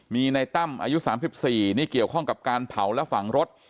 มีในตั้มอายุ๓๔นี่เกี่ยวข้องกับการเผาและฝังรถ